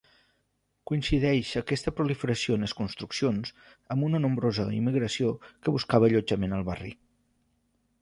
Coincideix aquesta proliferació en les construccions amb una nombrosa immigració que buscava allotjament al barri.